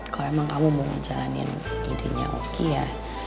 kalau emang kamu mau ngejalanin idenya oki ya